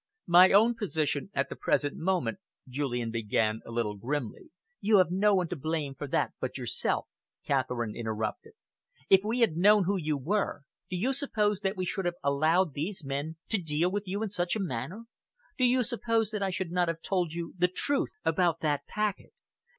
"My own position at the present moment," Julian began, a little grimly!!!!! "You have no one to blame for that but yourself," Catherine interrupted. "If we had known who you were, do you suppose that we should have allowed these men to deal with you in such a manner? Do you suppose that I should not have told you the truth about that packet?